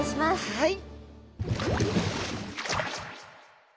はい。